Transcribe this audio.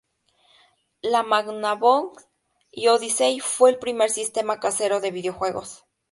La Magnavox Odyssey fue el primer sistema casero de videojuegos.